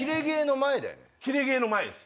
キレ芸の前です。